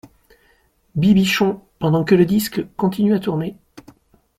Bibichon, pendant que le disque continue à tourner.